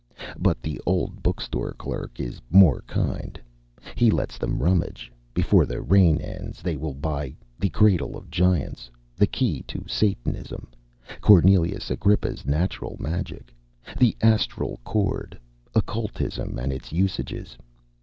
But the old book store clerk is more kind. He lets them rummage. Before the rain ends they will buy "The Cradle of the Giants," "The Key to Satanism," Cornelius Agrippa's "Natural Magic," "The Astral Chord," "Occultism and Its Usages."